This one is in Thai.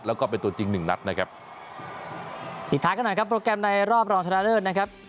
แล้วก็เป็นตัวจริงหนึ่งนัดนะครับปิดท้ายกันหน่อยครับโปรแกรมในรอบรองชนะเลิศนะครับ